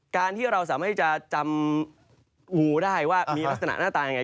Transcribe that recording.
การที่เราสามารถที่จะจำงูได้ว่ามีลักษณะหน้าตายังไง